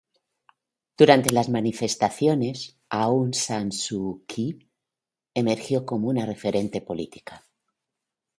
Durante las manifestaciones, Aung San Suu Kyi emergió como una referente política.